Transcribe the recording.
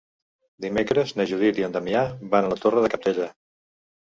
Dimecres na Judit i en Damià van a la Torre de Cabdella.